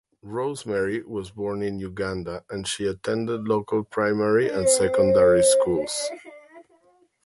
Rosemary was born in Uganda and she attended local primary and secondary schools.